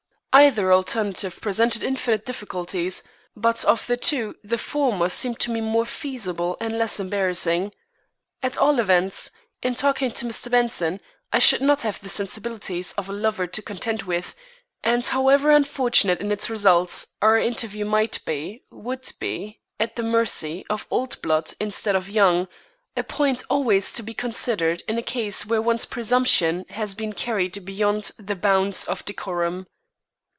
Either alternative presented infinite difficulties, but of the two the former seemed to me more feasible and less embarrassing. At all events, in talking with Mr. Benson, I should not have the sensibilities of a lover to contend with, and however unfortunate in its results our interview might be, would be at the mercy of old blood instead of young, a point always to be considered in a case where one's presumption has been carried beyond the bounds of decorum.